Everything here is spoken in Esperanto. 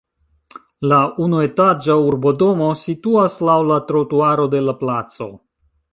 La unuetaĝa urbodomo situas laŭ la trotuaro de la placo.